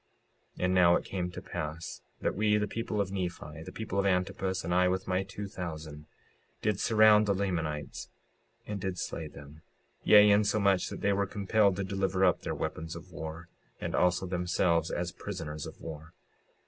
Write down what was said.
56:54 And now it came to pass that we, the people of Nephi, the people of Antipus, and I with my two thousand, did surround the Lamanites, and did slay them; yea, insomuch that they were compelled to deliver up their weapons of war and also themselves as prisoners of war.